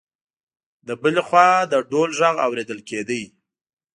له بل خوا د ډول غږ اوریدل کېده.